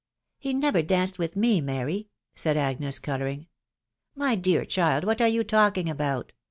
"'" He never danced with .me, Hiary,'" laid Agaea, taHmuwQ. '" My dear child, what are yon talking aa»ut?